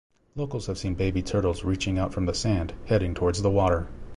Locals have seen baby turtles reaching out from the sand heading towards the water.